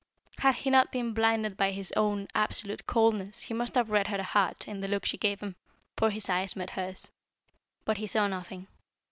Had he not been blinded by his own absolute coldness he must have read her heart in the look she gave him, for his eyes met hers. But he saw nothing.